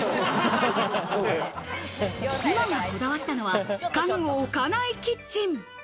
妻がこだわったのは家具を置かないキッチン。